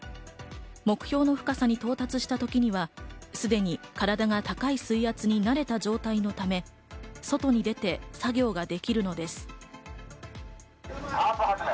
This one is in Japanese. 目標の深さに到達したときには、すでに体が高い水圧に慣れた状態のため、外に出て作業ができるのです。